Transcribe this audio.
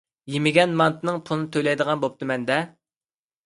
يېمىگەن مانتىنىڭ پۇلىنى تۆلەيدىغان بوپتىمەن-دە.